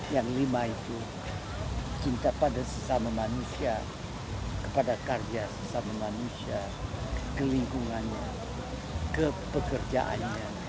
yang lima itu cinta pada sesama manusia kepada karya sesama manusia kelingkungannya kepekerjaan